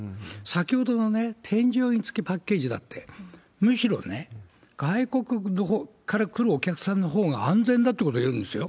先ほどの添乗員付きパッケージだって、むしろね、外国から来るお客さんのほうが安全だということをいうんですよ。